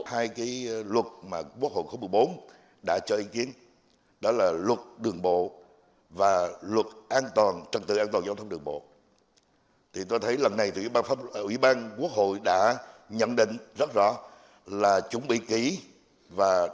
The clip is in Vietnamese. hai cái luật mà quốc hội khối một mươi bốn đã cho ý kiến đó là luật đường bộ và luật trận tự an toàn giao thông đường bộ